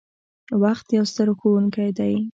• وخت یو ستر ښوونکی دی.